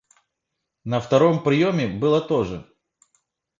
На втором приеме было то же.